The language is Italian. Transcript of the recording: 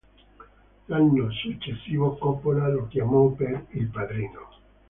L'anno successivo Coppola lo chiamò per "Il padrino".